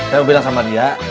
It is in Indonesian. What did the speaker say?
saya mau bilang sama dia